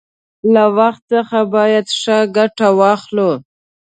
له وخت څخه باید ښه گټه واخلو.